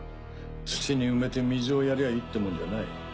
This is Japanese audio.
土に埋めて水をやりゃあいいってもんじゃない。